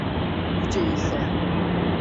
Yüce İsa!